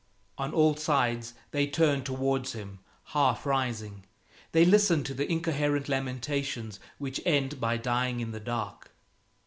On all sides they turn towards him; half rising, they listen to the incoherent lamentations which end by dying in the dark.